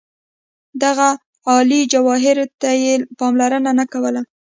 دغه عالي جوهر ته یې پاملرنه نه کوله.